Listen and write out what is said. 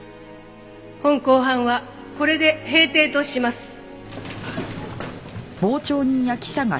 本公判はこれで閉廷とします。